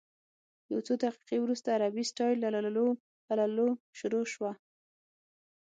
یو څو دقیقې وروسته عربي سټایل لللووللوو شروع شوه.